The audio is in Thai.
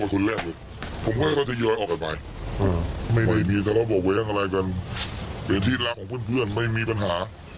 แต่เค้าก็จะไปไม่มีทะเลาะบอกเรื่องอะไรกันเปลี่ยนที่สำหรับคนแบบมีปัญหา